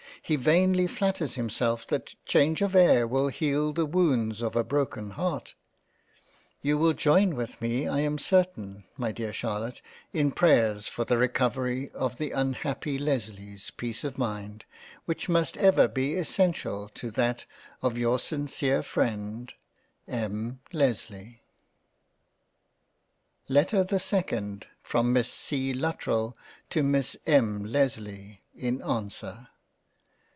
He vainly flatters himself that change of Air will heal the Wounds of a broken Heart ! You will join with me I am certain my dear Charlotte, in prayers for the recovery of the unhappy Lesley's peace of Mind, which must ever be essential to that of your sincere freind M. Lesley. LETTER the SECOND From Miss C. LUTTERELL to Miss M. LESLEY in answer.